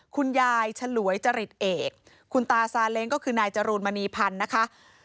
คุณยายฉลวยจริตเอกคุณตาซาเล้งก็คือนายจรูนมณีพันธ์นะคะ